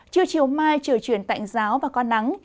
chiều chiều mai trở chuyển tạnh giáo và có nắng